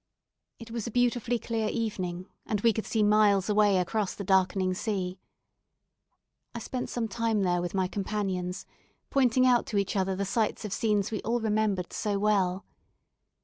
It was a beautifully clear evening, and we could see miles away across the darkening sea. I spent some time there with my companions, pointing out to each other the sites of scenes we all remembered so well.